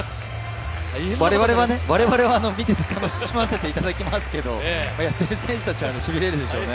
我々は見てて楽しませていただけますけど、やっている選手たちはしびれるでしょうね。